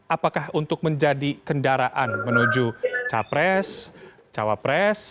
apakah untuk menjadi kendaraan menuju capres cawapres